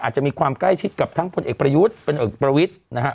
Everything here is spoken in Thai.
อาจจะมีความใกล้ชิดกับทั้งพลเอกประยุทธ์เป็นเอกประวิทย์นะฮะ